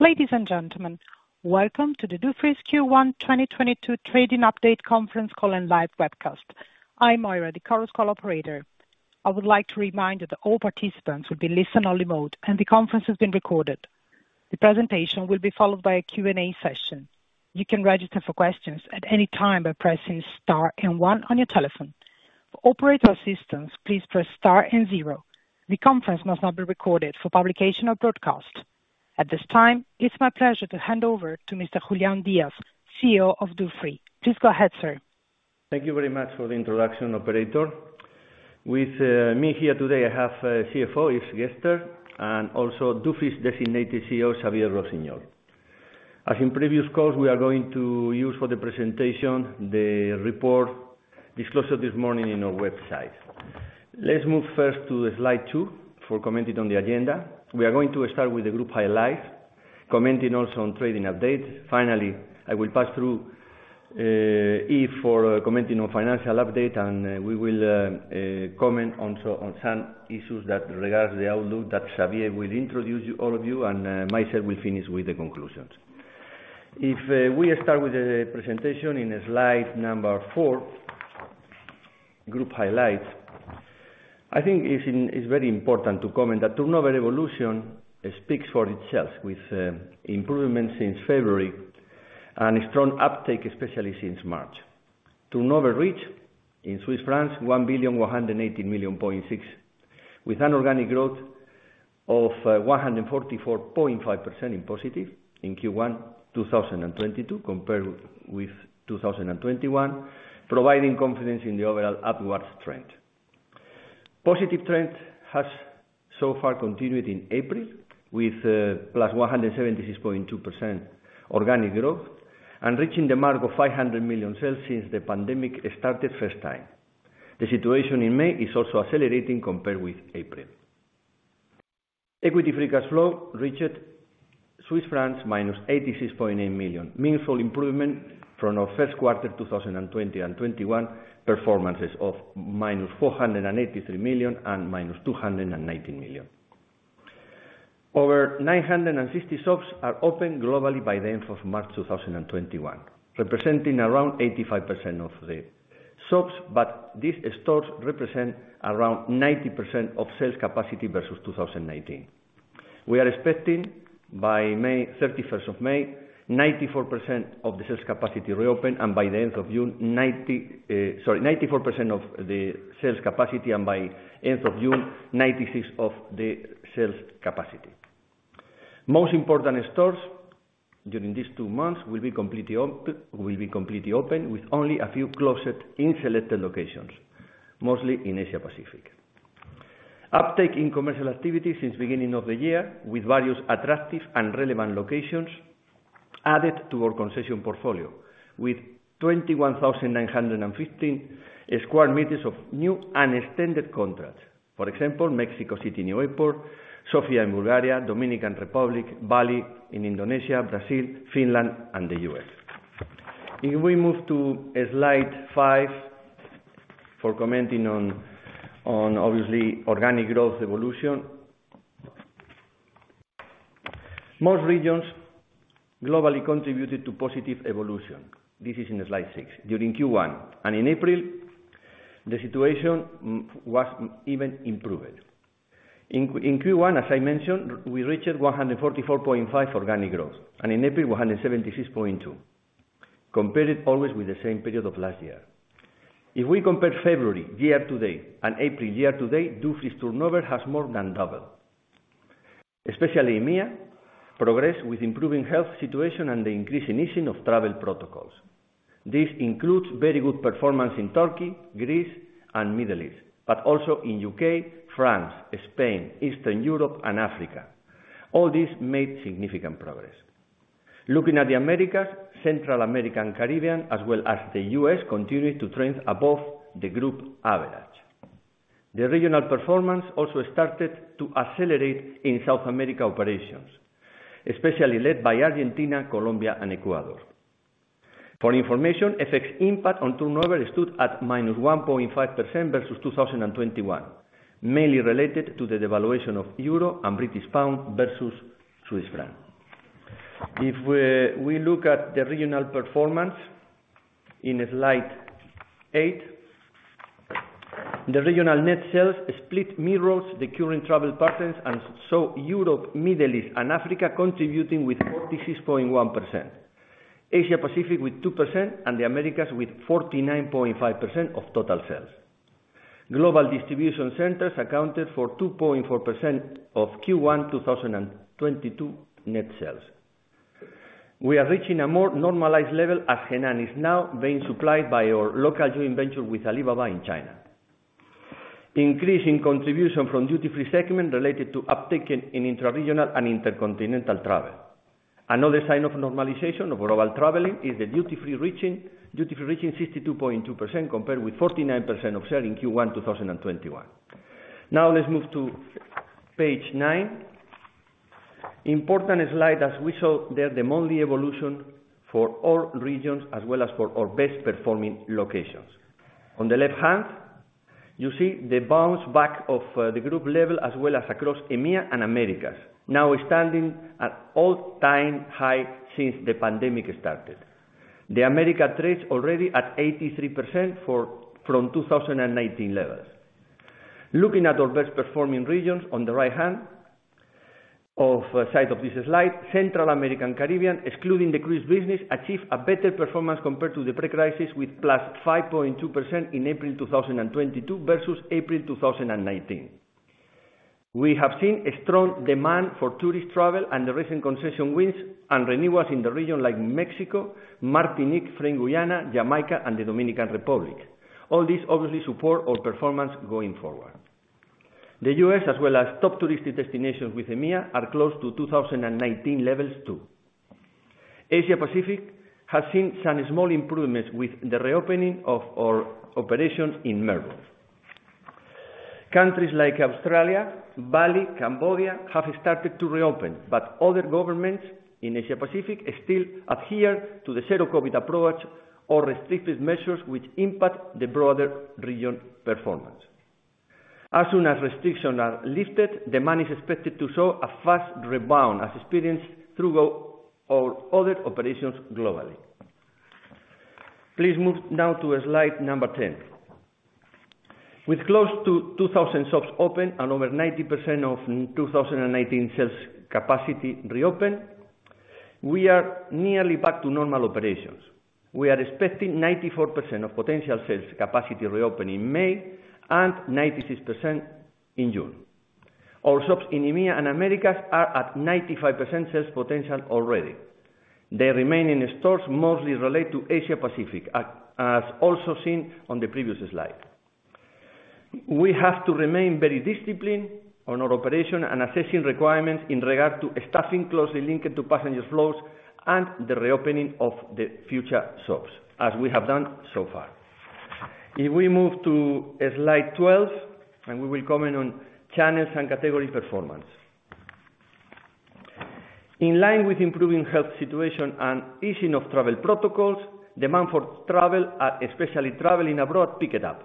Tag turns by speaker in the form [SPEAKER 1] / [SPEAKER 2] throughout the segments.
[SPEAKER 1] Ladies and gentlemen, welcome to the Dufry's Q1 2022 Trading Update Conference Call and Live Webcast. I'm Moira, the Chorus Call operator. I would like to remind you that all participants will be listen-only mode, and the conference is being recorded. The presentation will be followed by a Q&A session. You can register for questions at any time by pressing star and one on your telephone. For operator assistance, please press star and zero. The conference must not be recorded for publication or broadcast. At this time, it's my pleasure to hand over to Mr. Julián Díaz, CEO of Dufry. Please go ahead, sir.
[SPEAKER 2] Thank you very much for the introduction, operator. With me here today, I have CFO Yves Gerster, and also Dufry's Designated CEO, Xavier Rossinyol. As in previous calls, we are going to use for the presentation the report disclosed this morning in our website. Let's move first to slide two for commenting on the agenda. We are going to start with the group highlights, commenting also on trading updates. Finally, I will pass through Yves for commenting on financial update and we will comment on on some issues that regards the outlook that Xavier will introduce all of you, and myself will finish with the conclusions. If we start with the presentation in slide four, group highlights, I think it's very important to comment that turnover evolution speaks for itself with improvement since February and a strong uptake, especially since March. Turnover reach 1,180.6 million, with an organic growth of 144.5% positive in Q1 2022 compared with 2021, providing confidence in the overall upwards trend. Positive trend has so far continued in April with +176.2% organic growth and reaching the mark of 500 million sales since the pandemic started first time. The situation in May is also accelerating compared with April. Equity free cash flow reached -86.8 million Swiss francs, meaningful improvement from our Q1 2020 and 2021 performances of -483 million and -219 million. Over 960 shops are open globally by the end of March 2021, representing around 85% of the shops, but these stores represent around 90% of sales capacity versus 2019. We are expecting by May 31, 94% of the sales capacity reopen, and by the end of June, 94% of the sales capacity, and by end of June, 96% of the sales capacity. Most important stores during these two months will be completely open with only a few closed in selected locations, mostly in Asia Pacific. Uptake in commercial activity since beginning of the year with various attractive and relevant locations added to our concession portfolio with 21,915 square meters of new and extended contracts. For example, Mexico City new airport, Sofia in Bulgaria, Dominican Republic, Bali in Indonesia, Brazil, Finland and the U.S. If we move to slide five for commenting on obviously organic growth evolution. Most regions globally contributed to positive evolution, this is in slide six, during Q1, and in April, the situation was even improved. In Q1, as I mentioned, we reached 144.5% organic growth, and in April 176.2%, compared always with the same period of last year. If we compare February year to date and April year to date, Dufry's turnover has more than doubled, especially in EMEA, progress with improving health situation and the increasing easing of travel protocols. This includes very good performance in Turkey, Greece, and Middle East, but also in U.K., France, Spain, Eastern Europe and Africa. All this made significant progress. Looking at the Americas, Central America and Caribbean, as well as the U.S., continued to trend above the group average. The regional performance also started to accelerate in South America operations, especially led by Argentina, Colombia and Ecuador. For information, FX impact on turnover stood at -1.5% versus 2021, mainly related to the devaluation of Euro and British Pound versus Swiss franc. If we look at the regional performance in slide eight, the regional net sales split mirrors the current travel patterns and show Europe, Middle East and Africa contributing with 46.1%, Asia Pacific with 2% and the Americas with 49.5% of total sales. Global distribution centers accounted for 2.4% of Q1 2022 net sales. We are reaching a more normalized level as Hainan is now being supplied by our local joint venture with Alibaba in China. Increase in contribution from duty-free segment related to uptake in intra-regional and intercontinental travel. Another sign of normalization of global traveling is the duty-free reaching 62.2% compared with 49% of sales in Q1 2021. Now let's move to page nine. Important slide as we show there the monthly evolution for all regions as well as for our best performing locations. On the left hand, you see the bounce back of the group level, as well as across EMEA and Americas, now standing at all-time high since the pandemic started. The Americas trade already at 83% from 2019 levels. Looking at our best performing regions on the right hand side of this slide, Central America and Caribbean, excluding the cruise business, achieve a better performance compared to the pre-crisis with +5.2% in April 2022 versus April 2019. We have seen a strong demand for tourist travel and the recent concession wins and renewals in the region like Mexico, Martinique, French Guiana, Jamaica, and the Dominican Republic. All this obviously support our performance going forward. The U.S. as well as top touristic destinations with EMEA are close to 2019 levels too. Asia Pacific has seen some small improvements with the reopening of our operation in Melbourne. Countries like Australia, Bali, Cambodia, have started to reopen, but other governments in Asia Pacific still adhere to the zero COVID approach or restricted measures which impact the broader region performance. As soon as restrictions are lifted, demand is expected to show a fast rebound as experienced through our other operations globally. Please move now to slide number 10. With close to 2,000 shops open and over 90% of 2019 sales capacity reopened, we are nearly back to normal operations. We are expecting 94% of potential sales capacity reopened in May and 96% in June. Our shops in EMEA and Americas are at 95% sales potential already. The remaining stores mostly relate to Asia Pacific, as also seen on the previous slide. We have to remain very disciplined on our operation and assessing requirements in regard to staffing closely linked to passenger flows and the reopening of the future shops, as we have done so far. If we move to slide 12, we will comment on channels and category performance. In line with improving health situation and easing of travel protocols, demand for travel, especially traveling abroad, picked up.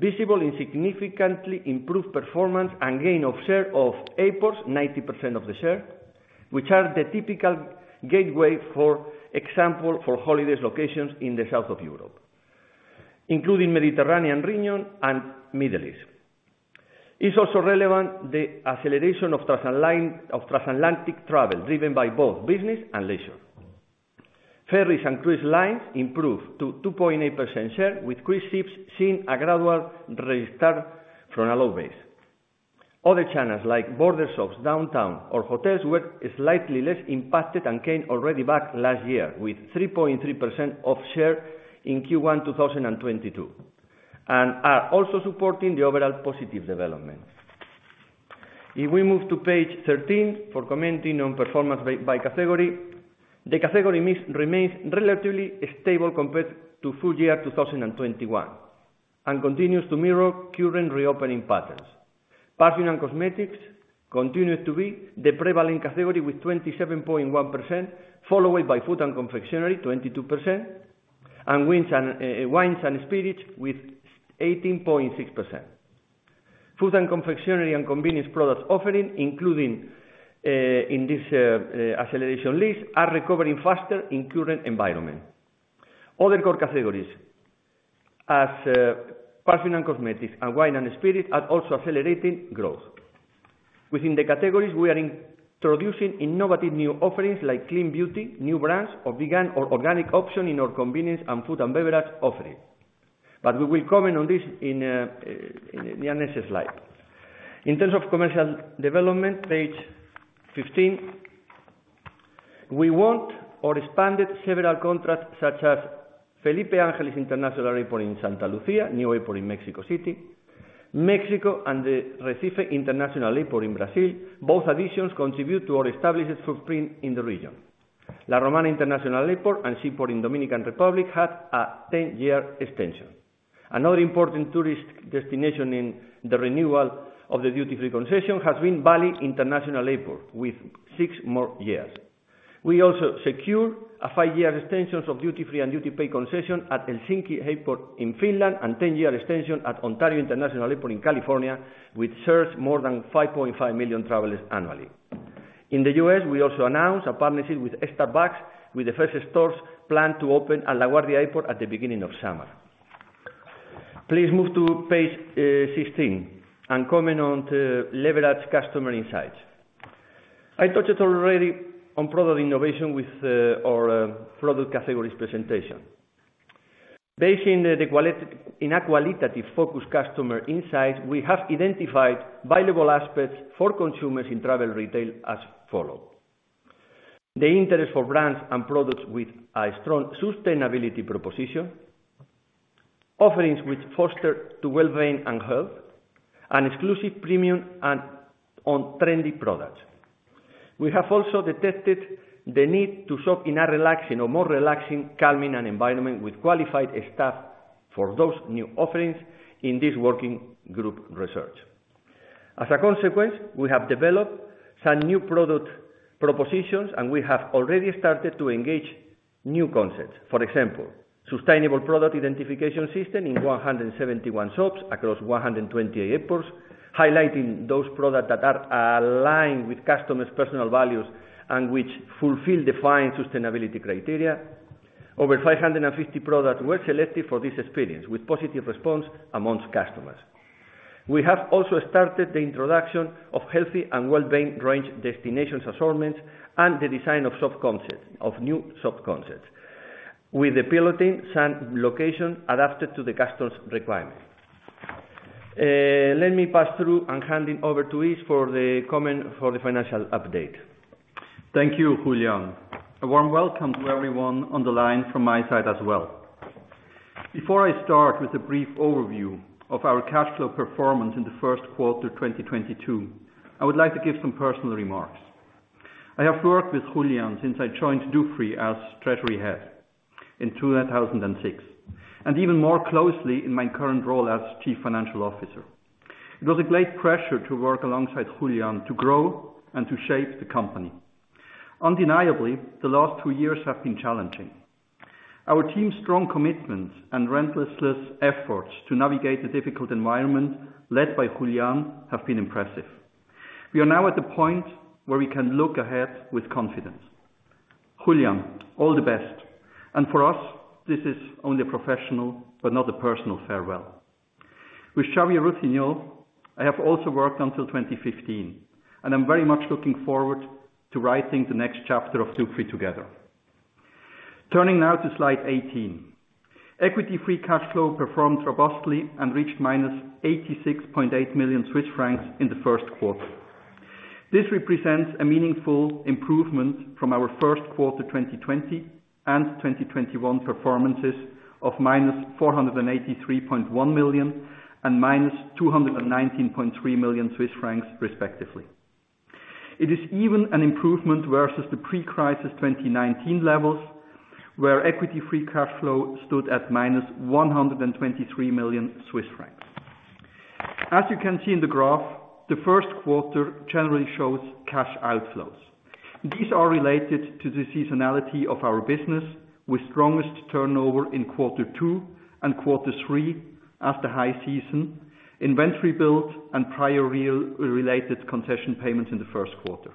[SPEAKER 2] Visible and significantly improved performance and gain of share of airports, 90% of the share, which are the typical gateway, for example, for holidays locations in the south of Europe, including Mediterranean region and Middle East. It's also relevant, the acceleration of transatlantic travel driven by both business and leisure. Ferries and cruise lines improve to 2.8% share with cruise ships seeing a gradual restart from a low base. Other channels like border shops, downtown, or hotels were slightly less impacted and came already back last year with 3.3% of share in Q1 2022, and are also supporting the overall positive development. If we move to page 13 for commenting on performance by category, the category mix remains relatively stable compared to full year 2021 and continues to mirror current reopening patterns. Perfume and cosmetics continue to be the prevalent category with 27.1%, followed by food and confectionery, 22%, and wines and spirits with 18.6%. Food and confectionery and convenience products offering, including in this acceleration list, are recovering faster in current environment. Other core categories as perfume and cosmetics and wines and spirits are also accelerating growth. Within the categories, we are introducing innovative new offerings like Clean Beauty, new brands or vegan or organic option in our convenience and food and beverage offering. We will comment on this in the next slide. In terms of commercial development, page 15, we won or expanded several contracts such as Felipe Ángeles International Airport in Santa Lucía, new airport in Mexico City, Mexico and the Recife International Airport in Brazil. Both additions contribute to our established footprint in the region. La Romana International Airport and seaport in Dominican Republic had a 10-year extension. Another important tourist destination in the renewal of the duty-free concession has been Bali International Airport with six more years. We also secure a five-year extension of duty-free and duty-paid concession at Helsinki Airport in Finland and ten-year extension at Ontario International Airport in California, which serves more than 5.5 million travelers annually. In the U.S., we also announced a partnership with Starbucks with the first stores planned to open at LaGuardia Airport at the beginning of summer. Please move to page 16 and comment on how to leverage customer insights. I touched already on product innovation with our product categories presentation. Based in a qualitative focus customer insight, we have identified valuable aspects for consumers in travel retail as follows. The interest for brands and products with a strong sustainability proposition, offerings which foster well-being and health, and exclusive premium and on-trendy products. We have also detected the need to shop in a relaxing or more relaxing, calming environment with qualified staff for those new offerings in this working group research. As a consequence, we have developed some new product propositions, and we have already started to engage new concepts. For example, sustainable product identification system in 171 shops across 120 airports, highlighting those products that are aligned with customers' personal values and which fulfill defined sustainability criteria. Over 550 products were selected for this experience, with positive response amongst customers. We have also started the introduction of healthy and well-being range destination assortments and the design of new sub-concepts with piloting in some locations adapted to the customer's requirements. Let me pass through and hand it over to Yves for the comment for the financial update.
[SPEAKER 3] Thank you, Julián. A warm welcome to everyone on the line from my side as well. Before I start with a brief overview of our cash flow performance in Q1 of 2022, I would like to give some personal remarks. I have worked with Julián since I joined Dufry as Treasury Head in 2006, and even more closely in my current role as Chief Financial Officer. It was a great pleasure to work alongside Julián to grow and to shape the company. Undeniably, the last two years have been challenging. Our team's strong commitment and relentless efforts to navigate the difficult environment led by Julián have been impressive. We are now at the point where we can look ahead with confidence. Julián, all the best, and for us, this is only a professional but not a personal farewell. With Xavier Rossinyol, I have also worked until 2015, and I'm very much looking forward to writing the next chapter of Dufry together. Turning now to slide 18. Equity free cash flow performed robustly and reached -86.8 million Swiss francs in Q1. This represents a meaningful improvement from our Q1 2020 and 2021 performances of -483.1 million and -219.3 million Swiss francs, respectively. It is even an improvement versus the pre-crisis 2019 levels, where equity free cash flow stood at -123 million Swiss francs. As you can see in the graph, Q1 generally shows cash outflows. These are related to the seasonality of our business, with strongest turnover in Q2 and Q3 as the high season. Inventory build and prior related concession payments in Q1.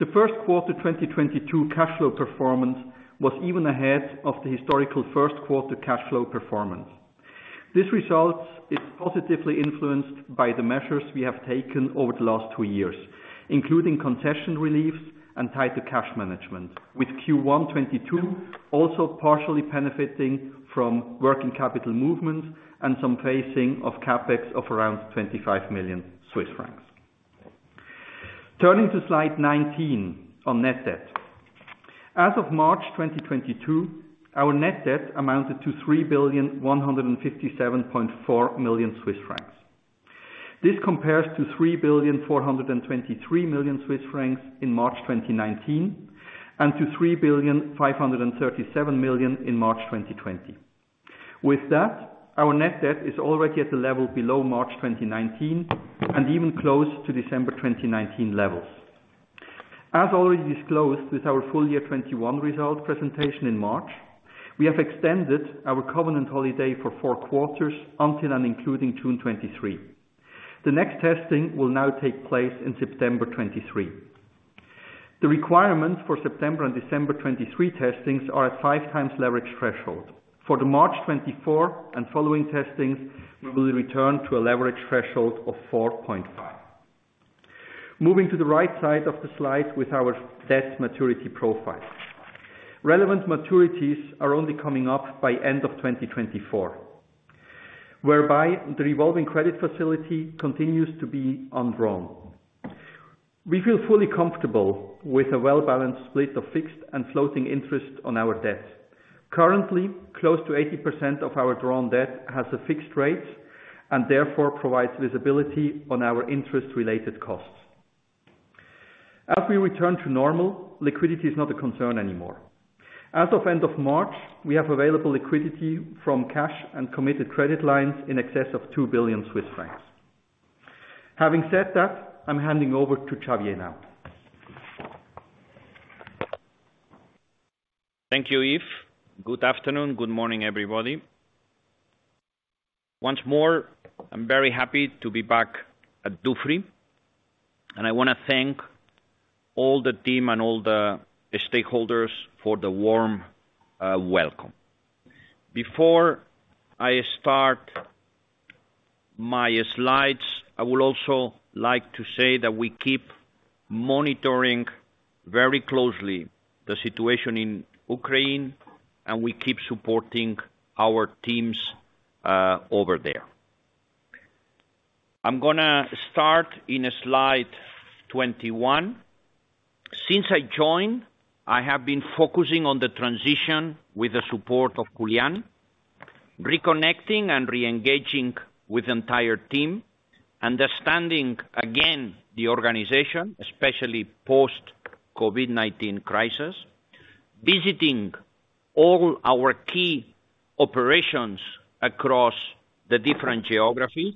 [SPEAKER 3] Q1 2022 cash flow performance was even ahead of the historical Q1 cash flow performance. This result is positively influenced by the measures we have taken over the last two years, including concession reliefs and tighter cash management, with Q1 2022 also partially benefiting from working capital movements and some phasing of CapEx of around 25 million Swiss francs. Turning to slide 19 on net debt. As of March 2022, our net debt amounted to 3,157.4 million Swiss francs. This compares to 3.423 billion in March 2019 and to 3.537 billion in March 2020. With that, our net debt is already at a level below March 2019 and even close to December 2019 levels. As already disclosed with our full year 2021 result presentation in March, we have extended our covenant holiday for four quarters until and including June 2023. The next testing will now take place in September 2023. The requirements for September and December 2023 testings are at 5x leverage threshold. For the March 2024 and following testings, we will return to a leverage threshold of 4.5x. Moving to the right side of the slide with our debt maturity profile. Relevant maturities are only coming up by end of 2024, whereby the revolving credit facility continues to be undrawn. We feel fully comfortable with a well-balanced split of fixed and floating interest on our debt. Currently, close to 80% of our drawn debt has a fixed rate and therefore provides visibility on our interest-related costs. As we return to normal, liquidity is not a concern anymore. As of end of March, we have available liquidity from cash and committed credit lines in excess of 2 billion Swiss francs. Having said that, I'm handing over to Xavier now.
[SPEAKER 4] Thank you, Yves. Good afternoon, good morning, everybody. Once more, I'm very happy to be back at Dufry, and I wanna thank all the team and all the stakeholders for the warm welcome. Before I start my slides, I would also like to say that we keep monitoring very closely the situation in Ukraine, and we keep supporting our teams over there. I'm gonna start in slide 21. Since I joined, I have been focusing on the transition with the support of Julián, reconnecting and re-engaging with the entire team, understanding again the organization, especially post COVID-19 crisis. Visiting all our key operations across the different geographies,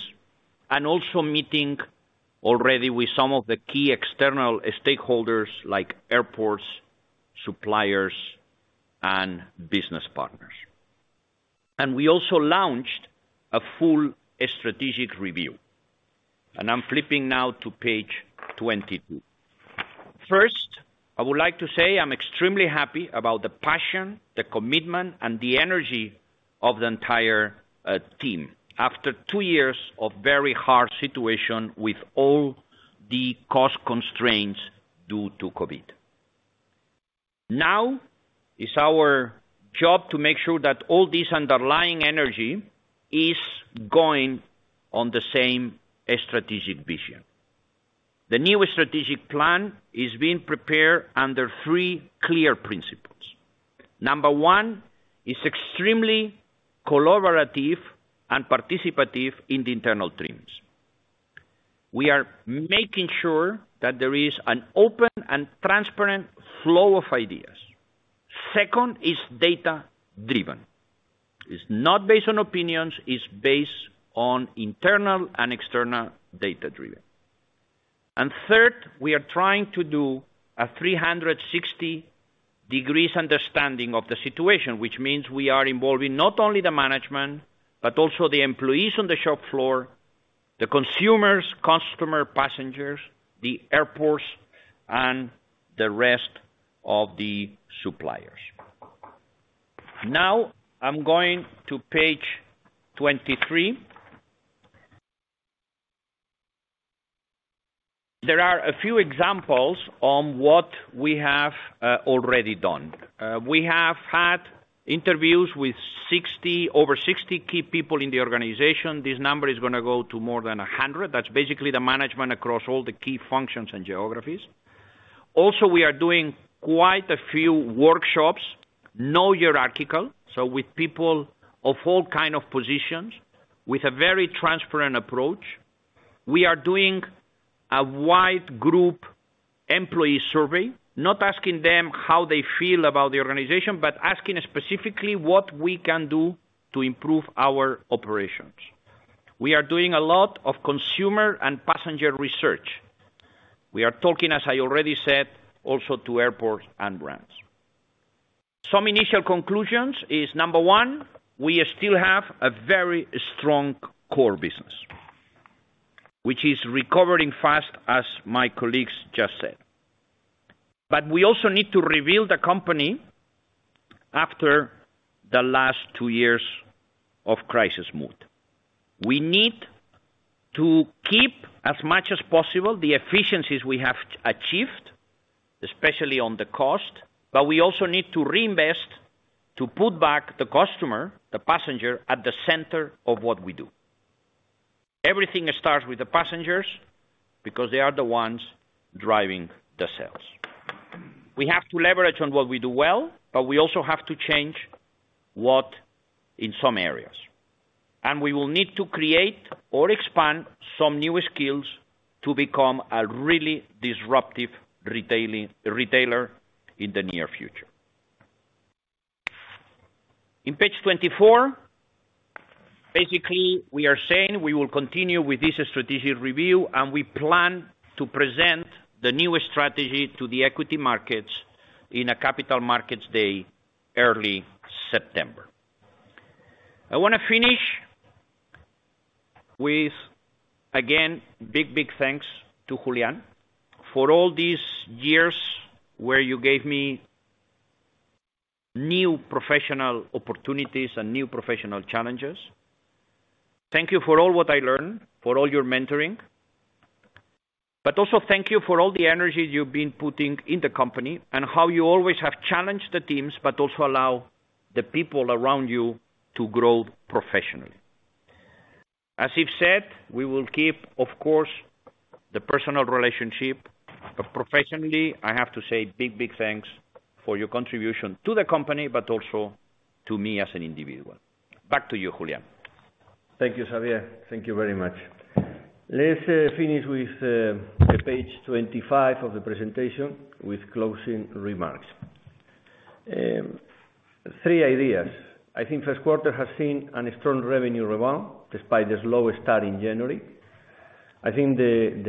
[SPEAKER 4] and also meeting already with some of the key external stakeholders, like airports, suppliers, and business partners. We also launched a full strategic review. I'm flipping now to page 22. First, I would like to say I'm extremely happy about the passion, the commitment, and the energy of the entire team after two years of very hard situation with all the cost constraints due to COVID. Now is our job to make sure that all this underlying energy is going on the same strategic vision. The new strategic plan is being prepared under three clear principles. Number one is extremely collaborative and participative in the internal teams. We are making sure that there is an open and transparent flow of ideas. Second, is data-driven. It's not based on opinions, it's based on internal and external data driven. Third, we are trying to do a 360-degree understanding of the situation, which means we are involving not only the management, but also the employees on the shop floor, the consumers, customer, passengers, the airports, and the rest of the suppliers. Now, I'm going to page 23. There are a few examples on what we have already done. We have had interviews with over 60 key people in the organization. This number is gonna go to more than 100. That's basically the management across all the key functions and geographies. Also, we are doing quite a few workshops, non-hierarchical, so with people of all kind of positions with a very transparent approach. We are doing a wide group employee survey, not asking them how they feel about the organization, but asking specifically what we can do to improve our operations. We are doing a lot of consumer and passenger research. We are talking, as I already said, also to airports and brands. Some initial conclusions is, number one, we still have a very strong core business, which is recovering fast as my colleagues just said. We also need to rebuild the company after the last two years of crisis mode. We need to keep as much as possible the efficiencies we have achieved, especially on the cost, but we also need to reinvest to put back the customer, the passenger, at the center of what we do. Everything starts with the passengers because they are the ones driving the sales. We have to leverage on what we do well, but we also have to change what in some areas. We will need to create or expand some new skills to become a really disruptive retailer in the near future. On page 24, basically, we are saying we will continue with this strategic review, and we plan to present the new strategy to the equity markets in a capital markets day early September. I wanna finish with, again, big thanks to Julián, for all these years where you gave me new professional opportunities and new professional challenges. Thank you for all what I learned, for all your mentoring. Also thank you for all the energy you've been putting in the company and how you always have challenged the teams, but also allow the people around you to grow professionally. As he said, we will keep, of course, the personal relationship, but professionally, I have to say big, big thanks for your contribution to the company, but also to me as an individual. Back to you, Julián.
[SPEAKER 2] Thank you, Xavier. Thank you very much. Let's finish with the page 25 of the presentation with closing remarks. Three ideas. I think first quarter has seen a strong revenue rebound despite the slow start in January. I think the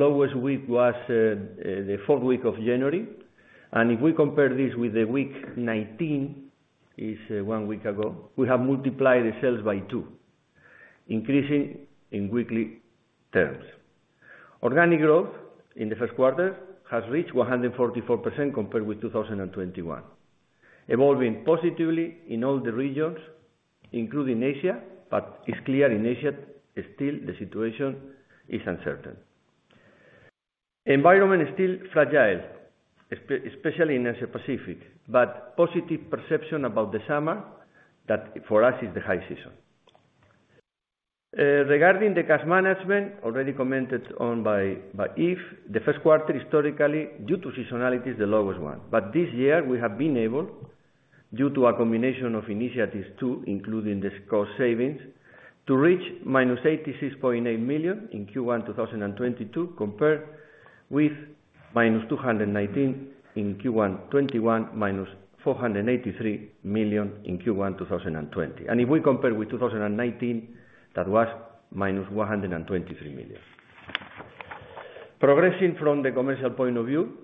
[SPEAKER 2] lowest week was the fourth week of January. If we compare this with the week 19, one week ago, we have multiplied the sales by two, increasing in weekly terms. Organic growth in Q1 has reached 144% compared with 2021, evolving positively in all the regions, including Asia, but it's clear in Asia, still the situation is uncertain. Environment is still fragile, especially in Asia-Pacific, but positive perception about the summer, that, for us, is the high season. Regarding the cash management already commented on by Yves, Q1 historically due to seasonality is the lowest one. This year, we have been able, due to a combination of initiatives too, including these cost savings, to reach -86.8 in Q1 2022, compared with -219 million in Q1 2021, - 483 million in Q1 2020. If we compare with 2019, that was -123 million. Progressing from the commercial point of view,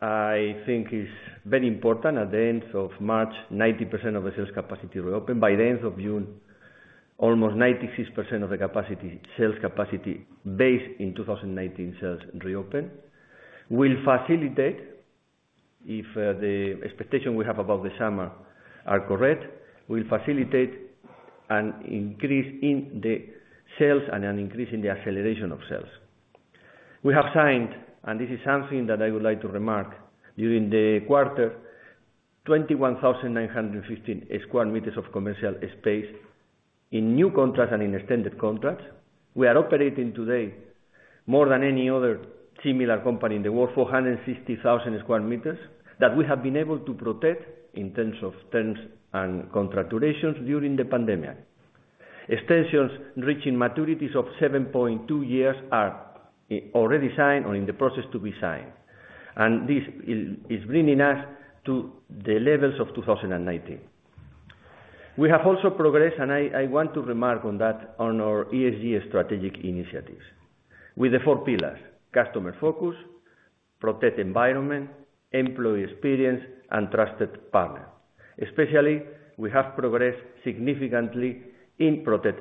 [SPEAKER 2] I think it's very important at the end of March, 90% of the sales capacity reopened. By the end of June, almost 96% of the capacity, sales capacity, based on 2019 sales reopened. Will facilitate, if the expectation we have about the summer are correct, will facilitate an increase in the sales and an increase in the acceleration of sales. We have signed, and this is something that I would like to remark, during the quarter, 21,915 square meters of commercial space in new contracts and in extended contracts. We are operating today more than any other similar company in the world, 460,000 square meters, that we have been able to protect in terms of trends and contract durations during the pandemic. Extensions reaching maturities of 7.2 years are already signed or in the process to be signed. This is bringing us to the levels of 2019. We have also progressed, and I want to remark on that, on our ESG strategic initiatives with the four pillars: customer focus, protect environment, employee experience, and trusted partner. Especially, we have progressed significantly in protect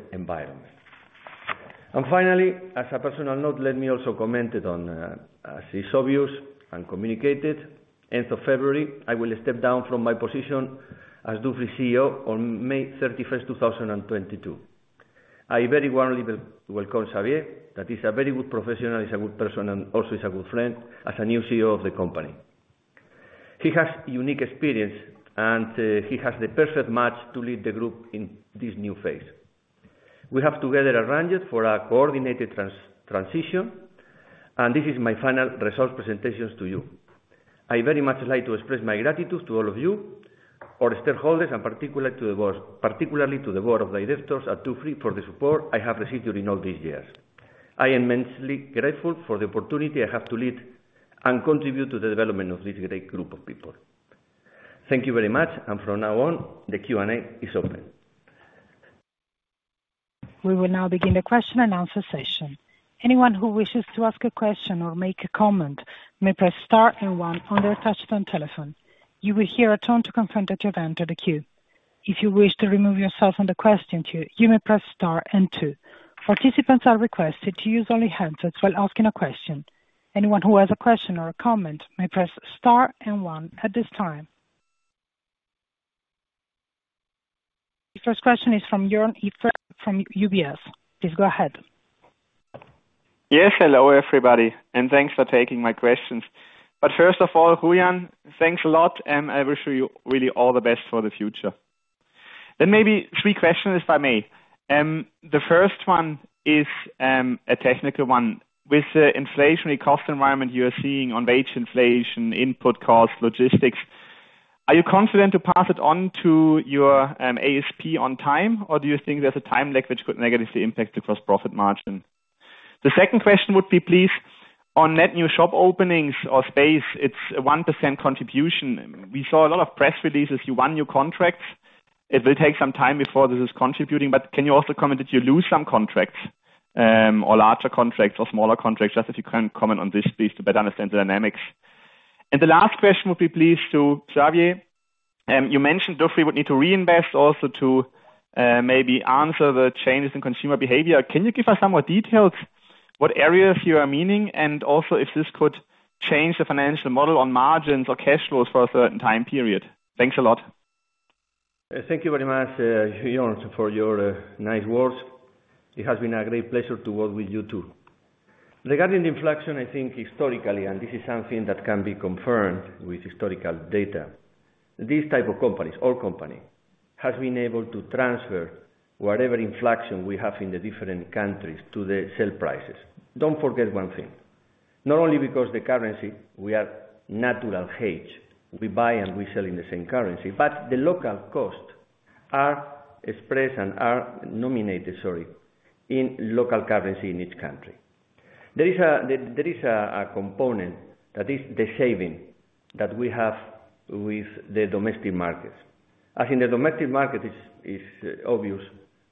[SPEAKER 2] environment. Finally, as a personal note, let me also comment on, as is obvious and communicated, end of February, I will step down from my position as Dufry CEO on May 31, 2022. I very warmly will welcome Xavier, that is a very good professional, he's a good person, and also he's a good friend, as the new CEO of the company. He has unique experience and, he has the perfect match to lead the group in this new phase. We have together arranged for a coordinated transition, and this is my final results presentations to you. I very much like to express my gratitude to all of you, our stakeholders, and particularly to the board of directors at Dufry for the support I have received during all these years. I am immensely grateful for the opportunity I have to lead and contribute to the development of this great group of people. Thank you very much, and from now on, the Q&A is open.
[SPEAKER 1] We will now begin the question and answer session. Anyone who wishes to ask a question or make a comment may press star and one on their touch-tone telephone. You will hear a tone to confirm that you have entered the queue. If you wish to remove yourself from the question queue, you may press star and two. Participants are requested to use only handsets while asking a question. Anyone who has a question or a comment may press star and one at this time. The first question is from Joern Iffert from UBS. Please go ahead.
[SPEAKER 5] Yes. Hello, everybody, and thanks for taking my questions. First of all, Julián, thanks a lot, and I wish you really all the best for the future. Maybe three questions, if I may. The first one is a technical one. With the inflationary cost environment you are seeing on wage inflation, input costs, logistics, are you confident to pass it on to your ASP on time, or do you think there's a time lag which could negatively impact the gross profit margin? The second question would be, please, on net new shop openings or space, it's a 1% contribution. We saw a lot of press releases, you won new contracts. It will take some time before this is contributing, but can you also comment, did you lose some contracts, or larger contracts or smaller contracts? Just if you can comment on this, please, to better understand the dynamics. The last question would be, please, to Xavier. You mentioned Dufry would need to reinvest also to, maybe answer the changes in consumer behavior. Can you give us some more details what areas you are meaning, and also if this could change the financial model on margins or cash flows for a certain time period? Thanks a lot.
[SPEAKER 2] Thank you very much, Joern, for your nice words. It has been a great pleasure to work with you too. Regarding the inflation, I think historically, and this is something that can be confirmed with historical data, these type of companies or company has been able to transfer whatever inflation we have in the different countries to the sale prices. Don't forget one thing, not only because the currency, we are natural hedge, we buy and we sell in the same currency, but the local costs are expressed and are denominated, sorry, in local currency in each country. There is a component that is the saving that we have with the domestic markets. As in the domestic market is obvious,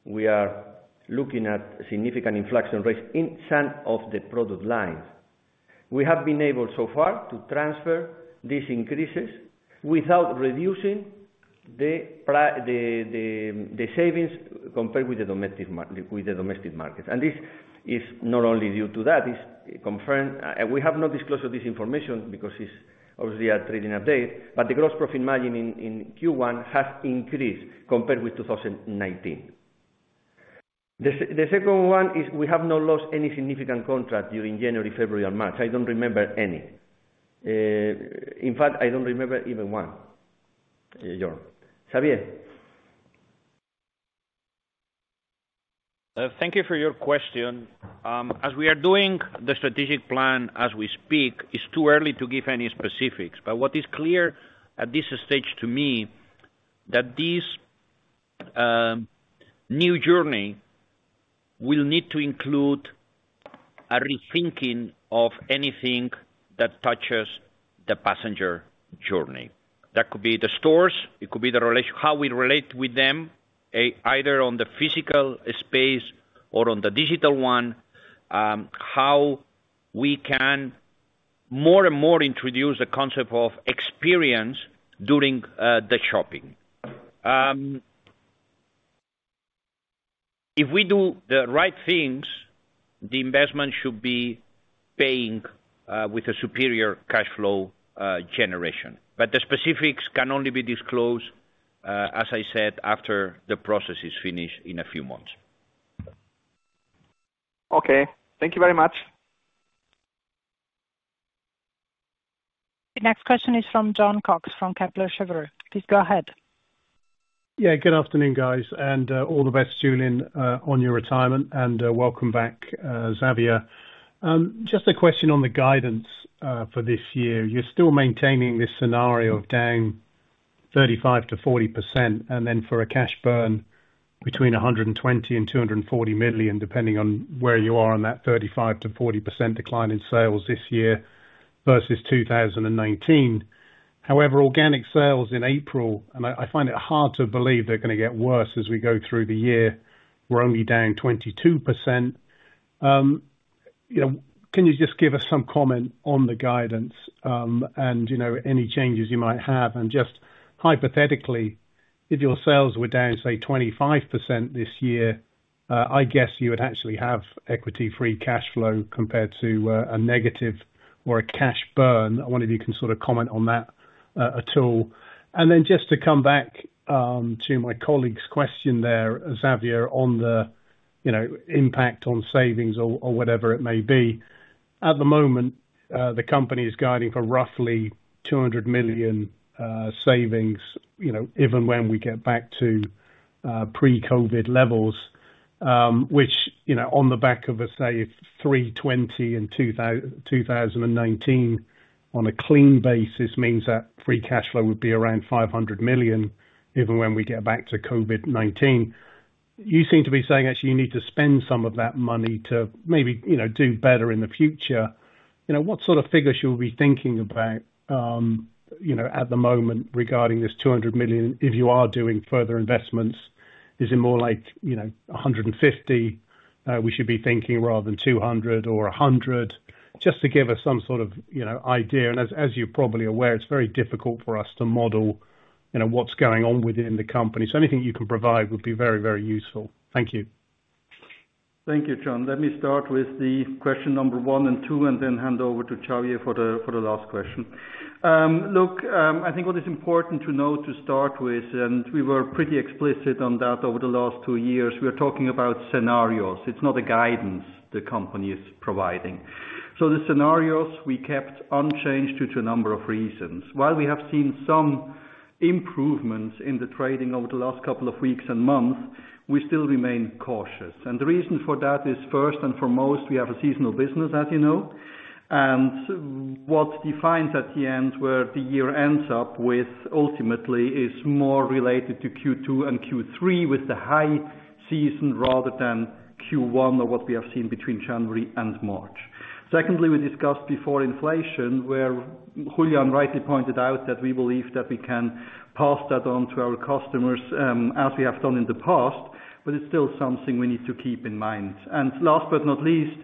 [SPEAKER 2] we are looking at significant inflation rates in some of the product lines. We have been able so far to transfer these increases without reducing the savings compared with the domestic markets. This is not only due to that, it's confirmed. We have not disclosed this information because it's obviously a trading update, but the gross profit margin in Q1 has increased compared with 2019. The second one is we have not lost any significant contract during January, February, and March. I don't remember any. In fact, I don't remember even one, Joern. Xavier?
[SPEAKER 4] Thank you for your question. As we are doing the strategic plan as we speak, it's too early to give any specifics. What is clear at this stage to me, that this new journey will need to include a rethinking of anything that touches the passenger journey. That could be the stores, it could be how we relate with them, either on the physical space or on the digital one. How we can more and more introduce the concept of experience during the shopping. If we do the right things, the investment should be paying with a superior cash flow generation. The specifics can only be disclosed, as I said, after the process is finished in a few months.
[SPEAKER 5] Okay. Thank you very much.
[SPEAKER 1] The next question is from Jon Cox from Kepler Cheuvreux. Please go ahead.
[SPEAKER 6] Yeah, good afternoon, guys, and all the best, Julián, on your retirement, and welcome back, Xavier. Just a question on the guidance for this year. You're still maintaining this scenario of down 35%-40%, and then for a cash burn between 120 and 240 million, depending on where you are on that 35%-40% decline in sales this year versus 2019. However, organic sales in April, and I find it hard to believe they're gonna get worse as we go through the year. We're only down 22%. You know, can you just give us some comment on the guidance, and you know, any changes you might have? Just hypothetically, if your sales were down, say, 25% this year, I guess you would actually have equity free cash flow compared to a negative or a cash burn. I wonder if you can sort of comment on that at all. Then just to come back to my colleague's question there, Xavier, on the, you know, impact on savings or whatever it may be. At the moment, the company is guiding for roughly 200 million savings, you know, even when we get back to pre-COVID levels, which, you know, on the back of, let's say, 320 million in 2019 on a clean basis means that free cash flow would be around 500 million, even when we get back to COVID-19. You seem to be saying, actually, you need to spend some of that money to maybe, you know, do better in the future. You know, what sort of figures should we be thinking about, you know, at the moment regarding this 200 million, if you are doing further investments? Is it more like, you know, 150 million we should be thinking rather than 200 or 100 million? Just to give us some sort of, you know, idea. As you're probably aware, it's very difficult for us to model, you know, what's going on within the company. Anything you can provide would be very, very useful. Thank you.
[SPEAKER 3] Thank you, Jon. Let me start with the question number one and two, and then hand over to Xavier for the last question. I think what is important to know to start with, and we were pretty explicit on that over the last two years, we are talking about scenarios. It's not a guidance the company is providing. The scenarios we kept unchanged due to a number of reasons. While we have seen some improvements in the trading over the last couple of weeks and months, we still remain cautious. The reason for that is, first and foremost, we have a seasonal business, as you know. What defines at the end, where the year ends up with ultimately is more related to Q2 and Q3 with the high season rather than Q1 or what we have seen between January and March. Secondly, we discussed before inflation, where Julián rightly pointed out that we believe that we can pass that on to our customers, as we have done in the past, but it's still something we need to keep in mind. Last but not least,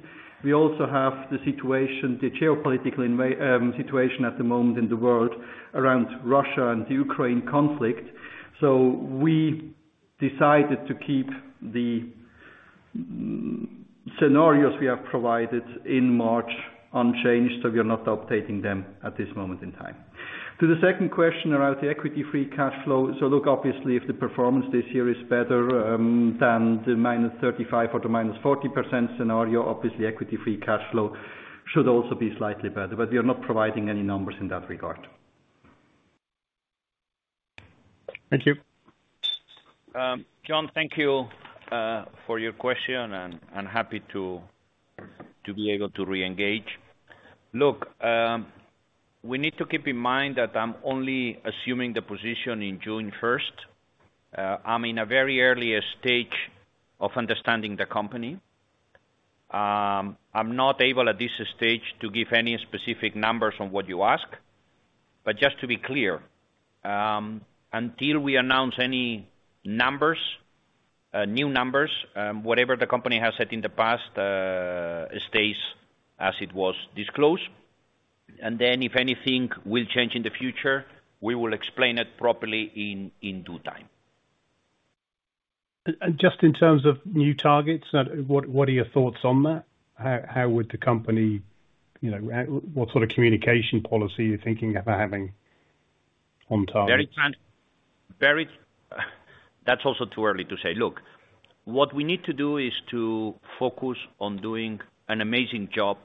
[SPEAKER 3] we also have the situation, the geopolitical situation at the moment in the world around Russia and the Ukraine conflict. We decided to keep the scenarios we have provided in March unchanged, so we are not updating them at this moment in time. To the second question around the equity free cash flow. Look, obviously, if the performance this year is better, than the -35% or the -40% scenario, obviously equity free cash flow should also be slightly better. We are not providing any numbers in that regard.
[SPEAKER 6] Thank you.
[SPEAKER 4] Jon, thank you for your question and happy to be able to reengage. Look, we need to keep in mind that I'm only assuming the position in June 1. I'm in a very early stage of understanding the company. I'm not able at this stage to give any specific numbers on what you ask. Just to be clear, until we announce any numbers, new numbers, whatever the company has said in the past, stays as it was disclosed. Then if anything will change in the future, we will explain it properly in due time.
[SPEAKER 6] Just in terms of new targets, what are your thoughts on that? How would the company, you know, what sort of communication policy are you thinking of having on target?
[SPEAKER 4] That's also too early to say. Look, what we need to do is to focus on doing an amazing job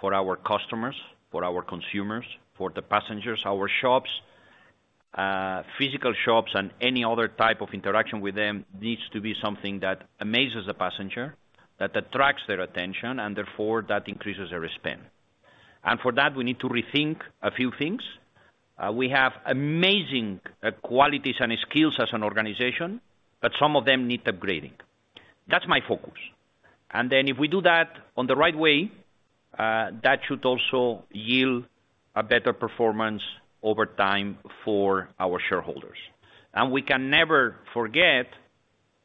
[SPEAKER 4] for our customers, for our consumers, for the passengers, our shops, physical shops and any other type of interaction with them needs to be something that amazes the passenger, that attracts their attention, and therefore that increases their spend. For that, we need to rethink a few things. We have amazing qualities and skills as an organization, but some of them need upgrading. That's my focus. Then if we do that on the right way, that should also yield a better performance over time for our shareholders. We can never forget,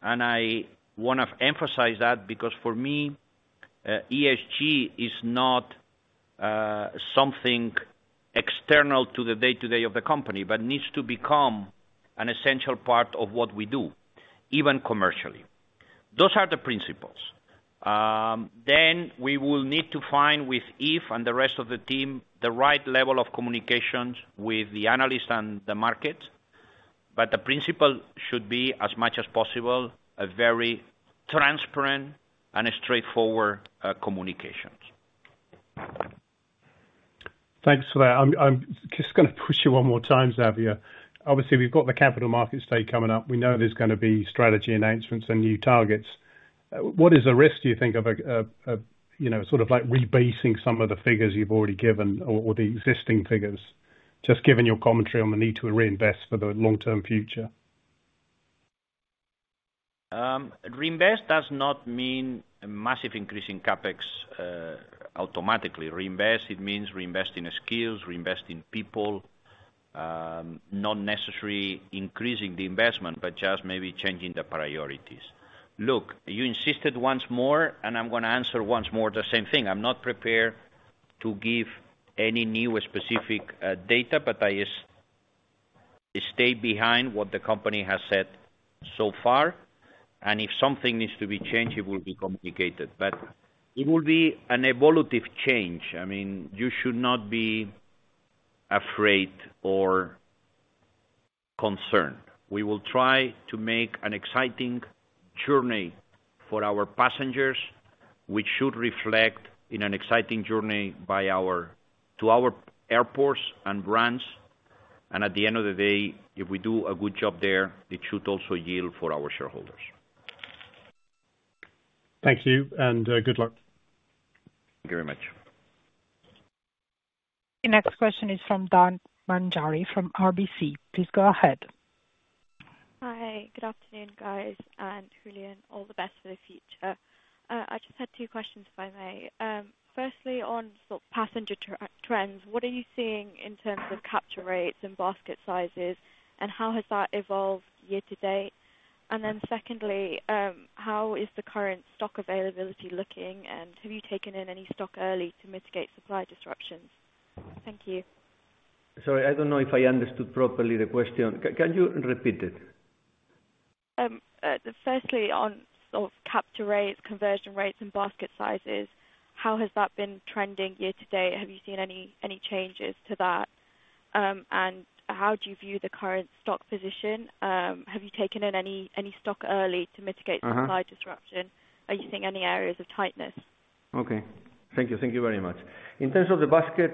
[SPEAKER 4] and I wanna emphasize that, because for me, ESG is not something external to the day-to-day of the company, but needs to become an essential part of what we do, even commercially. Those are the principles. We will need to find, with Yves and the rest of the team, the right level of communications with the analysts and the market. The principle should be, as much as possible, a very transparent and straightforward communications.
[SPEAKER 6] Thanks for that. I'm just gonna push you one more time, Xavier. Obviously we've got the Capital Markets Day coming up. We know there's gonna be strategy announcements and new targets. What is the risk, do you think, of a you know, sort of like rebasing some of the figures you've already given or the existing figures? Just given your commentary on the need to reinvest for the long-term future.
[SPEAKER 4] Reinvest does not mean a massive increase in CapEx automatically. Reinvest, it means reinvest in skills, reinvest in people, not necessarily increasing the investment, but just maybe changing the priorities. Look, you insisted once more, and I'm gonna answer once more the same thing. I'm not prepared to give any new specific data, but I stay behind what the company has said so far, and if something needs to be changed, it will be communicated. But it will be an evolutive change. I mean, you should not be afraid or concerned. We will try to make an exciting journey for our passengers, which should reflect in an exciting journey to our airports and brands. At the end of the day, if we do a good job there, it should also yield for our shareholders.
[SPEAKER 6] Thank you, and good luck.
[SPEAKER 2] Thank you very much.
[SPEAKER 1] The next question is from Manjari Dhar from RBC. Please go ahead.
[SPEAKER 7] Hi. Good afternoon, guys. Julián, all the best for the future. I just had two questions, if I may. Firstly, on sort of passenger trends, what are you seeing in terms of capture rates and basket sizes, and how has that evolved year to date? Then secondly, how is the current stock availability looking, and have you taken in any stock early to mitigate supply disruptions? Thank you.
[SPEAKER 2] Sorry. I don't know if I understood properly the question. Can you repeat it?
[SPEAKER 7] Firstly on sort of capture rates, conversion rates, and basket sizes, how has that been trending year to date? Have you seen any changes to that? How do you view the current stock position? Have you taken in any stock early to mitigate-
[SPEAKER 2] Uh-huh.
[SPEAKER 7] Supply disruption? Are you seeing any areas of tightness?
[SPEAKER 2] Okay. Thank you. Thank you very much. In terms of the basket,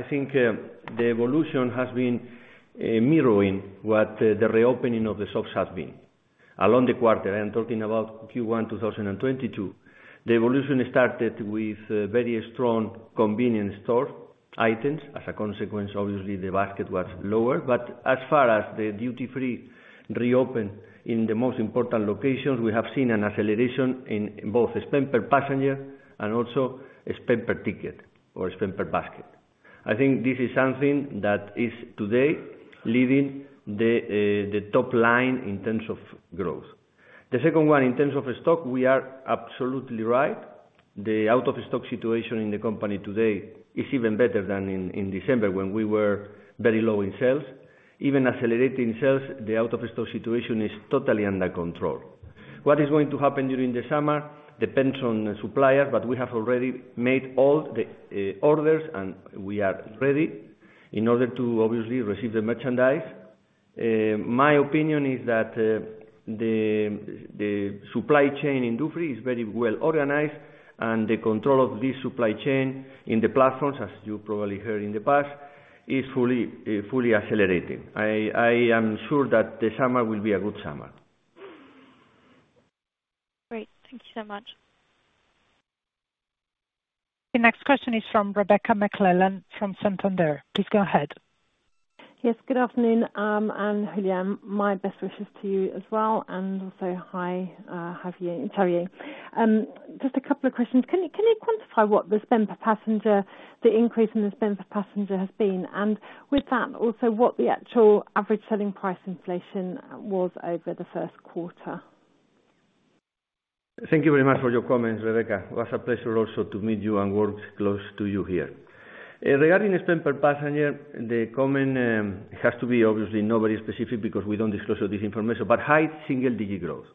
[SPEAKER 2] I think the evolution has been mirroring what the reopening of the shops has been. Along the quarter, I am talking about Q1 2022, the evolution started with very strong convenience store items. As a consequence, obviously the basket was lower. As far as the duty-free reopen in the most important locations, we have seen an acceleration in both spend per passenger and also spend per ticket or spend per basket. I think this is something that is today leading the top line in terms of growth. The second one, in terms of stock, we are absolutely right. The out of stock situation in the company today is even better than in December when we were very low in sales. Even accelerating sales, the out of stock situation is totally under control. What is going to happen during the summer depends on the supplier, but we have already made all the orders, and we are ready in order to obviously receive the merchandise. My opinion is that the supply chain in Dufry is very well organized, and the control of this supply chain in the platforms, as you probably heard in the past, is fully accelerating. I am sure that the summer will be a good summer.
[SPEAKER 7] Great. Thank you so much.
[SPEAKER 1] The next question is from Rebecca McClellan from Santander. Please go ahead.
[SPEAKER 2] Thank you very much for your comments, Rebecca. It was a pleasure also to meet you and work close to you here. Regarding the spend per passenger, the comment has to be obviously nobody specific because we don't disclose this information, but high single-digit growth.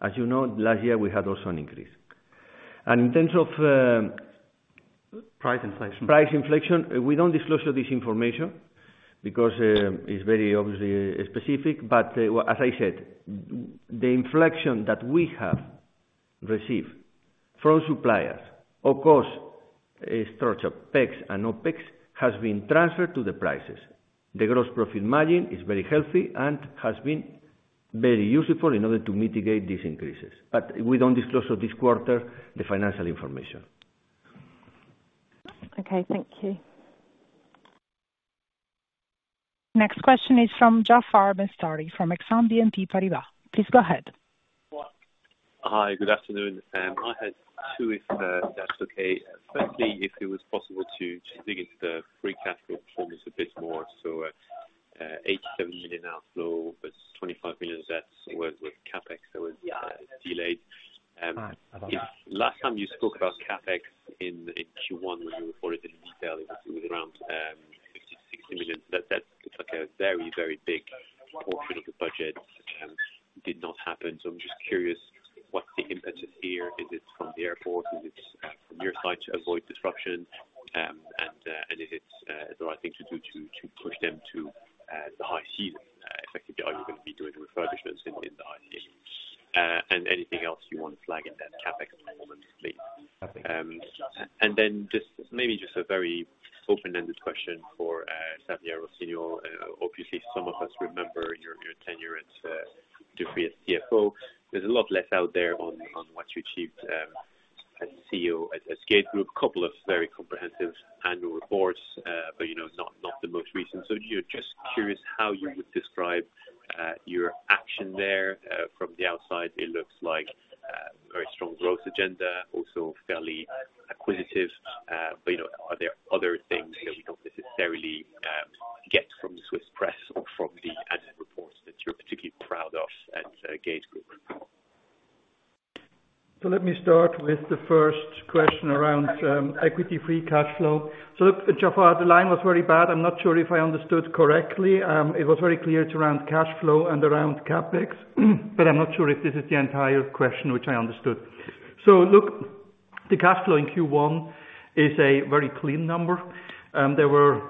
[SPEAKER 2] As you know, last year we had also an increase. In terms of.....
[SPEAKER 3] Price inflation Price inflation, we don't disclose this information because it's very obviously specific. As I said, the inflation that we have Received from suppliers. Of course, a structure of OpEx and OpEx has been transferred to the prices. The gross profit margin is very healthy and has been very useful in order to mitigate these increases. We don't disclose this quarter the financial information.
[SPEAKER 8] Okay, thank you.
[SPEAKER 1] Next question is from Jaafar Mestari from Exane BNP Paribas. Please go ahead.
[SPEAKER 9] Hi, good afternoon. I had two, if that's okay. Firstly, if it was possible to dig into the free cash flow performance a bit more. 87 million outflow versus 25 million that was CapEx that was delayed. Last time you spoke about CapEx in Q1, when you reported in detail, it was around 50-60 million. That looks like a big portion of the budget did not happen. I'm just curious, what's the impact of here? Is it from the airport? Is it from your side to avoid disruption? And is it the right thing to do to push them to the high season? Effectively, are you gonna be doing refurbishments in the high season? Anything else you wanna flag in that CapEx performance, please. Just maybe just a very open-ended question for Xavier Rossinyol. Obviously, some of us remember your tenure at Dufry as CFO. There's a lot less out there on what you achieved as CEO at Gategroup. Couple of very comprehensive annual reports, but you know, it's not the most recent. Just curious how you would describe your action there. From the outside, it looks like a very strong growth agenda, also fairly acquisitive. You know, are there other things that we don't necessarily get from the Swiss press or from the annual reports that you're particularly proud of at Gategroup?
[SPEAKER 3] Let me start with the first question around equity free cash flow. Look, Jaafar, the line was very bad. I'm not sure if I understood correctly. It was very clear it's around cash flow and around CapEx, but I'm not sure if this is the entire question which I understood. Look, the cash flow in Q1 is a very clean number. There were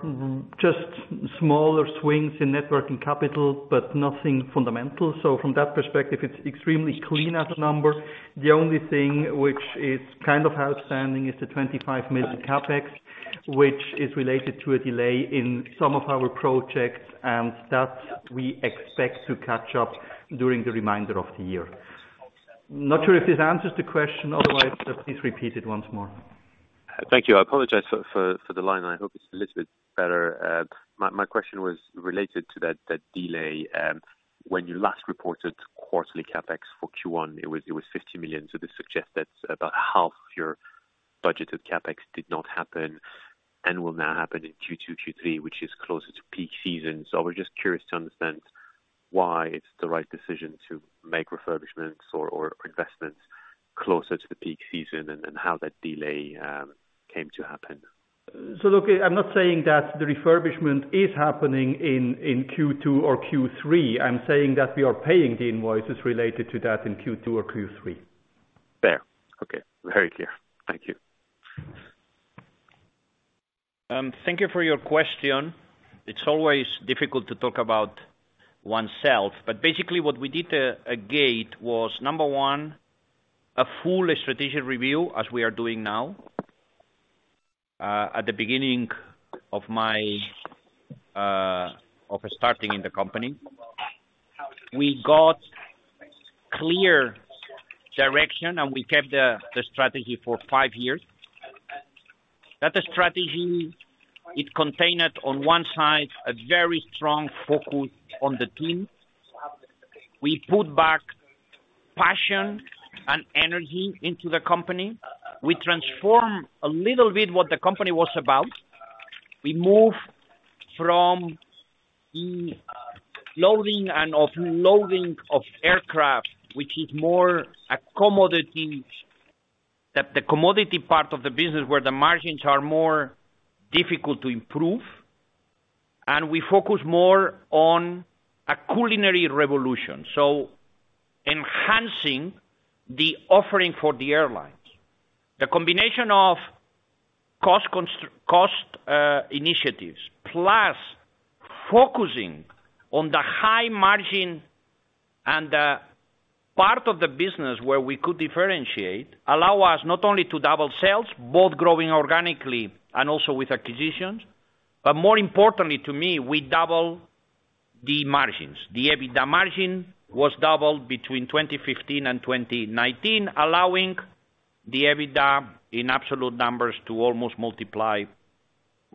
[SPEAKER 3] just smaller swings in net working capital, but nothing fundamental. From that perspective, it's extremely clean as a number. The only thing which is kind of outstanding is the 25 million CapEx, which is related to a delay in some of our projects, and that we expect to catch up during the remainder of the year. Not sure if this answers the question. Otherwise, just please repeat it once more.
[SPEAKER 9] Thank you. I apologize for the line. I hope it's a little bit better. My question was related to that delay. When you last reported quarterly CapEx for Q1, it was 50 million. This suggests that about half your budgeted CapEx did not happen and will now happen in Q2, Q3, which is closer to peak season. I was just curious to understand why it's the right decision to make refurbishments or investments closer to the peak season and how that delay came to happen.
[SPEAKER 3] Look, I'm not saying that the refurbishment is happening in Q2 or Q3. I'm saying that we are paying the invoices related to that in Q2 or Q3.
[SPEAKER 9] Fair. Okay. Very clear. Thank you.
[SPEAKER 4] Thank you for your question. It's always difficult to talk about oneself, but basically what we did at Gategroup was, number one, a full strategic review, as we are doing now, at the beginning of starting in the company. We got clear direction, and we kept the strategy for five years. That strategy, it contained on one side a very strong focus on the team. We put back passion and energy into the company. We transformed a little bit what the company was about. We moved from loading and offloading of aircraft, which is more accommodating, the commodity part of the business where the margins are more difficult to improve, and we focus more on a culinary revolution, so enhancing the offering for the airlines. The combination of cost initiatives plus focusing on the high margin and part of the business where we could differentiate allows us not only to double sales, both growing organically and also with acquisitions, but more importantly to me, we double the margins. The EBITDA margin was doubled between 2015 and 2019, allowing the EBITDA in absolute numbers to almost multiply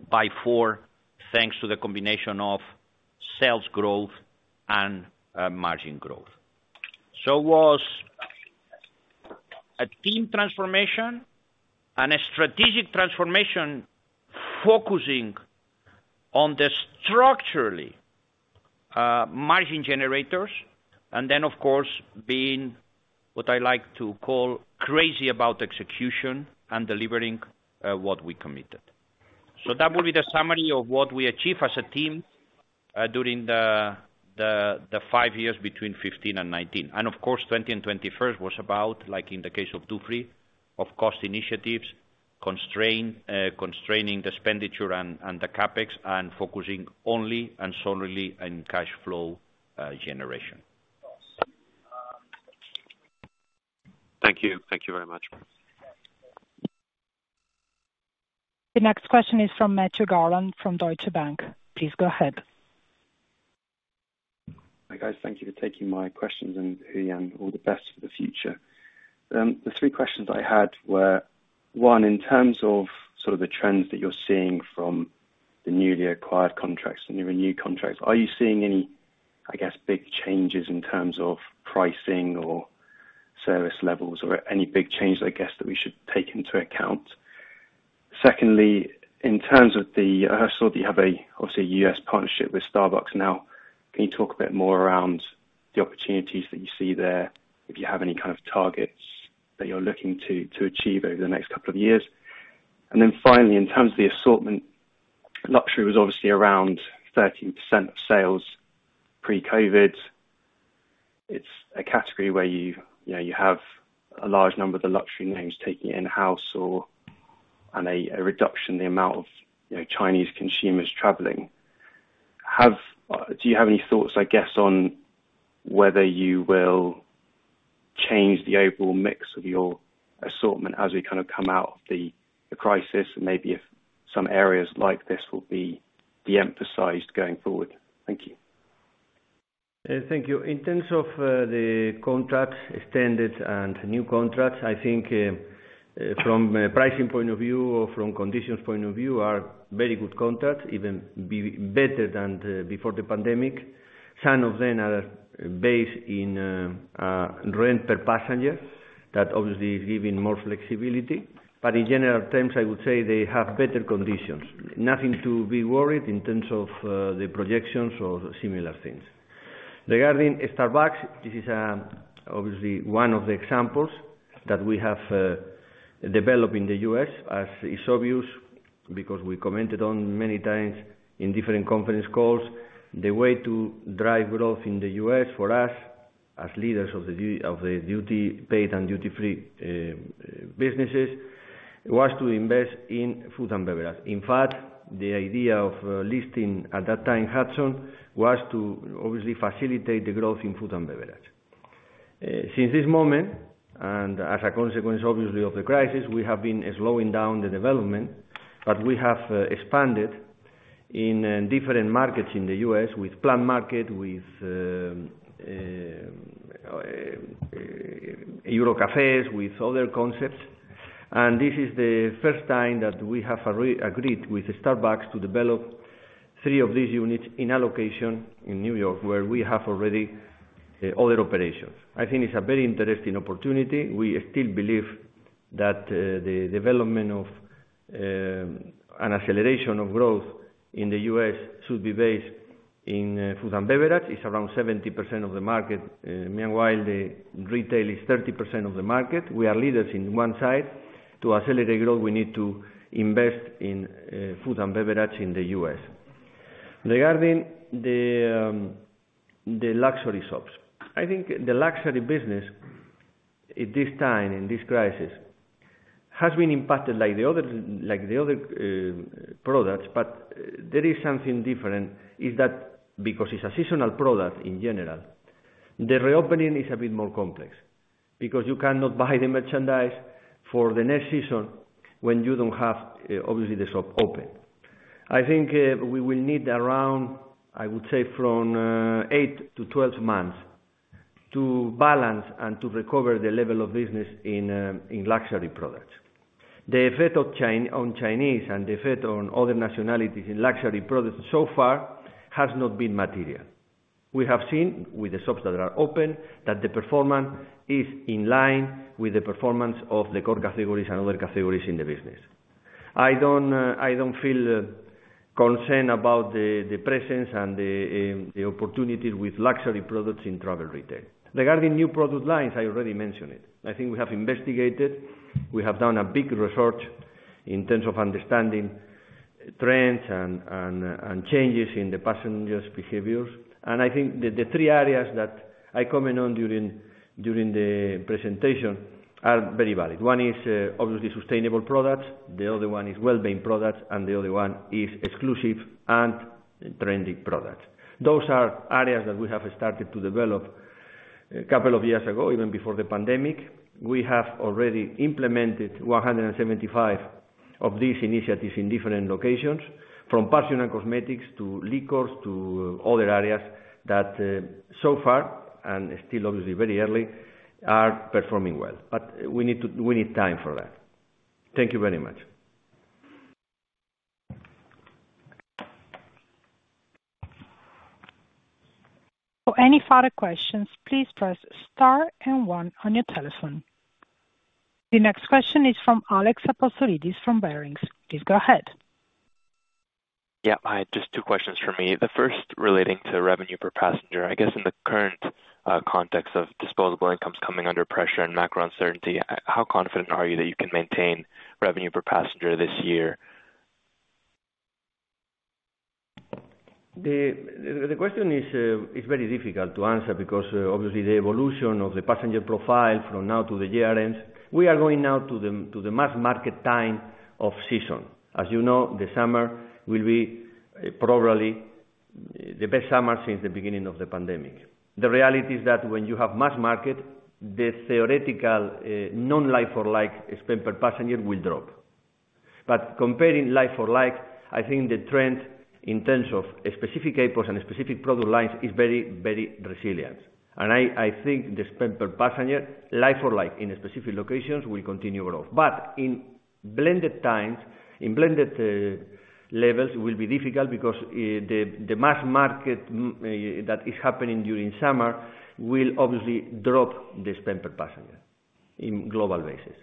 [SPEAKER 4] by four, thanks to the combination of sales growth and margin growth. It was a team transformation and a strategic transformation focusing on the structurally margin generators, and then, of course, being what I like to call crazy about execution and delivering what we committed. That would be the summary of what we achieved as a team during the five years between 2015 and 2019. Of course, 2020 and 2021 was about, like in the case of Dufry, of cost initiatives. Constraining the expenditure and the CapEx and focusing only and solely on cash flow generation.
[SPEAKER 9] Thank you. Thank you very much.
[SPEAKER 1] The next question is from Matthew Garland from Deutsche Bank. Please go ahead.
[SPEAKER 10] Hi, guys. Thank you for taking my questions, and, Julián, all the best for the future. The three questions I had were: One, in terms of sort of the trends that you're seeing from the newly acquired contracts, the new renewed contracts, are you seeing any, I guess, big changes in terms of pricing or service levels or any big changes, I guess, that we should take into account? Secondly, in terms of the F&B you have, obviously a U.S. partnership with Starbucks now. Can you talk a bit more around the opportunities that you see there, if you have any kind of targets that you're looking to achieve over the next couple of years? Then finally, in terms of the assortment, luxury was obviously around 13% of sales pre-COVID. It's a category where you know you have a large number of the luxury names taking it in-house or a reduction in the amount of you know Chinese consumers traveling. Do you have any thoughts, I guess, on whether you will change the overall mix of your assortment as we kind of come out of the crisis, maybe if some areas like this will be de-emphasized going forward? Thank you.
[SPEAKER 2] Thank you. In terms of the contracts extended and new contracts, I think from a pricing point of view or from conditions point of view are very good contracts, even better than before the pandemic. Some of them are based in rent per passenger. That obviously is giving more flexibility. In general terms, I would say they have better conditions. Nothing to be worried in terms of the projections or similar things. Regarding Starbucks, this is obviously one of the examples that we have developed in the U.S., as is obvious because we commented on many times in different conference calls. The way to drive growth in the U.S. for us, as leaders of the duty-paid and duty-free businesses, was to invest in food and beverage. In fact, the idea of listing at that time was to obviously facilitate the growth in food and beverage. Since this moment, and as a consequence, obviously, of the crisis, we have been slowing down the development, but we have expanded in different markets in the U.S. with Plum Market, with Euro Café, with other concepts. This is the first time that we have agreed with Starbucks to develop three of these units in a location in New York where we have already other operations. I think it's a very interesting opportunity. We still believe that the development of an acceleration of growth in the U.S. should be based in food and beverage. It's around 70% of the market. Meanwhile, the retail is 30% of the market. We are leaders in one side. To accelerate growth, we need to invest in food and beverage in the U.S.. Regarding the luxury shops, I think the luxury business at this time, in this crisis, has been impacted like the other products, but there is something different, is that because it's a seasonal product in general, the reopening is a bit more complex because you cannot buy the merchandise for the next season when you don't have, obviously the shop open. I think we will need around, I would say from eight to 12 months to balance and to recover the level of business in luxury products. The effect of China on Chinese and the effect on other nationalities in luxury products so far has not been material. We have seen with the shops that are open, that the performance is in line with the performance of the core categories and other categories in the business. I don't feel concerned about the presence and the opportunity with luxury products in travel retail. Regarding new product lines, I already mentioned it. I think we have investigated. We have done a big research in terms of understanding trends and changes in the passengers' behaviors. I think the three areas that I comment on during the presentation are very valid. One is obviously sustainable products, the other one is well-being products, and the other one is exclusive and trending products. Those are areas that we have started to develop a couple of years ago, even before the pandemic. We have already implemented 175 of these initiatives in different locations, from personal cosmetics, to liquors, to other areas that, so far, and still obviously very early, are performing well. We need to, we need time for that. Thank you very much.
[SPEAKER 1] For any further questions, please press star and one on your telephone. The next question is from Alexia Apostolides from Barings. Please go ahead.
[SPEAKER 11] Yeah. I had just two questions for me. The first relating to revenue per passenger. I guess in the current context of disposable incomes coming under pressure and macro uncertainty, how confident are you that you can maintain revenue per passenger this year?
[SPEAKER 2] The question is very difficult to answer because obviously the evolution of the passenger profile from now to the year end, we are going now to the mass market time of season. As you know, the summer will be probably the best summer since the beginning of the pandemic. The reality is that when you have mass market, the theoretical non-like for like spend per passenger will drop. Comparing like for like, I think the trend in terms of specific airports and specific product lines is very, very resilient. I think the spend per passenger, like for like in specific locations, will continue growth. In blended times, in blended levels, it will be difficult because the mass market that is happening during summer will obviously drop the spend per passenger in global basis.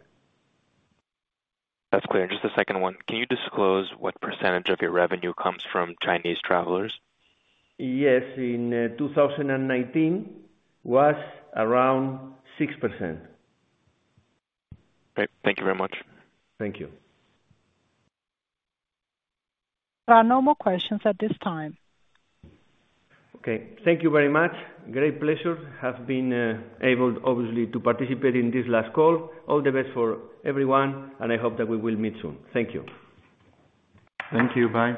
[SPEAKER 10] That's clear. Just the second one. Can you disclose what percentage of your revenue comes from Chinese travelers?
[SPEAKER 2] Yes. In 2019 was around 6%.
[SPEAKER 10] Great. Thank you very much.
[SPEAKER 2] Thank you.
[SPEAKER 1] There are no more questions at this time.
[SPEAKER 2] Okay. Thank you very much. Great pleasure have been, able, obviously, to participate in this last call. All the best for everyone, and I hope that we will meet soon. Thank you.
[SPEAKER 9] Thank you. Bye.